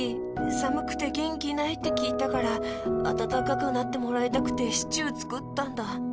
さむくてげんきないってきいたからあたたかくなってもらいたくてシチューつくったんだ。